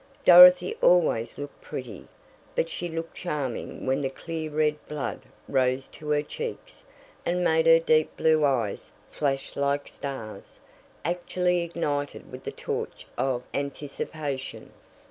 Dorothy always looked pretty, but she looked charming when the clear red blood rose to her cheeks and made her deep blue eyes flash like stars, actually ignited with the torch of anticipation.